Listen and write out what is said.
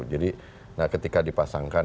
jadi ketika dipasangkan